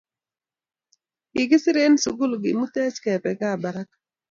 Kikisir en sukul kimutech kepe kabaraka